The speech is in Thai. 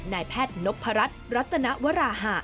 นายแพทย์นพรัชรัตนวราหะ